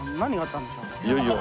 いやいや。